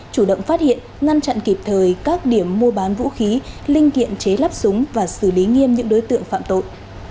chủ động phát hiện ngăn chặn kịp thời các điểm mua bán vũ khí linh kiện chế lắp súng và xử lý nghiêm những đối tượng phạm tội